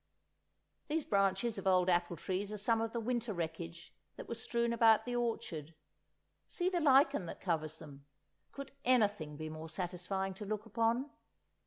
These branches of old apple trees are some of the winter wreckage that was strewn about the orchards; see the lichen that covers them, could anything be more satisfying to look upon?